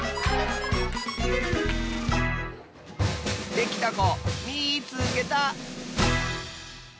できたこみいつけた！